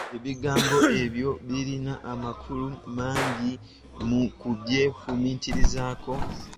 Ebigambo ebyo birina amakulu mangi mu kubyefumiitirizaako!